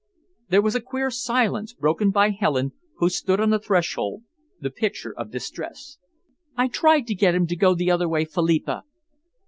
There was a queer silence, broken by Helen, who stood on the threshold, the picture of distress. "I tried to get him to go the other way, Philippa."